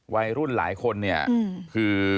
วัยรุ่นหลายคนคือ